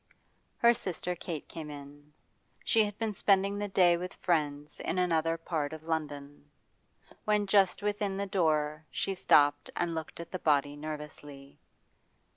Her sister Kate came in. She had been spending the day with friends in another part of London. When just within the door she stopped and looked at the body nervously.